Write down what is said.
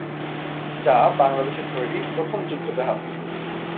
যা বাংলাদেশের তৈরি প্রথম যুদ্ধজাহাজ।